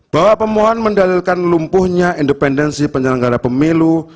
bahwa pemohon mendalilkan lumpuhnya independensi penyelenggara pemilu